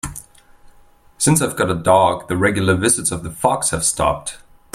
Since I've gotten a dog, the regular visits of the fox have stopped.